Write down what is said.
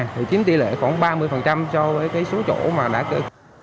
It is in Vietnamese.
thì chính tỷ lệ khoảng ba mươi cho cái số chỗ mà đã có